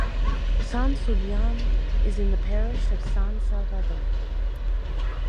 San Zulian is in the parish of San Salvador.